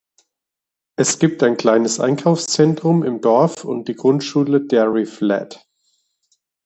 Es gibt ein kleines Einkaufszentrum im Dorf und die Grundschule Dairy Flat.